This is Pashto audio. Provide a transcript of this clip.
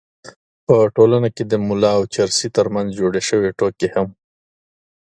په ټولنه کې د ملا او چرسي تر منځ جوړې شوې ټوکې هم